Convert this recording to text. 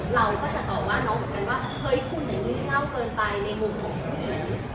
เราก็จะตอบว่าน้องเหมือนกันว่าเฮ้ยคุณไม่เล่าเกินไปในมุมของคุณแอ๋ว